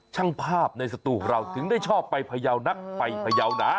ช่างภาพในสตูของเราถึงได้ชอบไปพยาวนักไปพยาวหนา